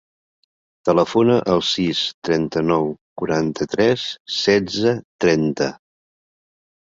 Telefona al sis, trenta-nou, quaranta-tres, setze, trenta.